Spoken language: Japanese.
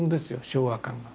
昭和感が。